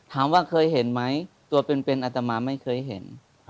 ถามว่าเคยเห็นไหมตัวเป็นอัตมาไม่เคยเห็น